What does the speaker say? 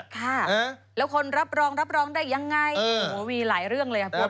ค่ะแล้วคนรับรองได้ยังไงมีหลายเรื่องเลยปวดพันธุ์กัน